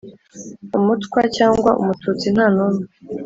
umutwa cyangwa umututsi nta n'umwe